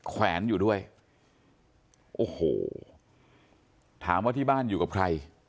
แขวนอยู่ด้วยโอ้โหถามว่าที่บ้านอยู่กับใคร